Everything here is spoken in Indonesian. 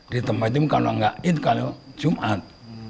di tempat itu kalau nggak idh kalau jumat